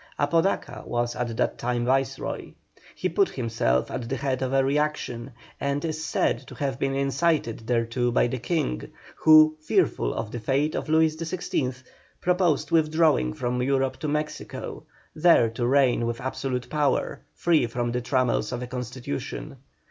Apodaca was at that time Viceroy. He put himself at the head of a reaction, and is said to have been incited thereto by the King, who, fearful of the fate of Louis XVI., proposed withdrawing from Europe to Mexico, there to reign with absolute power, free from the trammels of a Constitution.